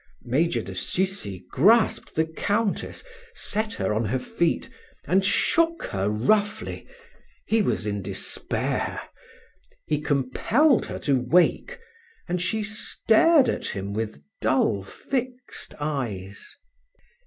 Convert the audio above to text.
Major de Sucy grasped the Countess, set her on her feet, and shook her roughly; he was in despair. He compelled her to wake, and she stared at him with dull fixed eyes.